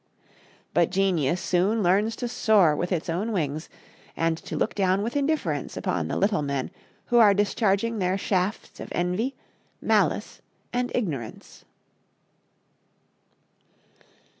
But genius soon learns to soar with its own wings and to look down with indifference upon the little men who are discharging their shafts of envy, malice and ignorance.